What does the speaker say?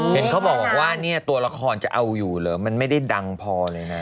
เห็นเขาบอกว่าเนี่ยตัวละครจะเอาอยู่เหรอมันไม่ได้ดังพอเลยนะ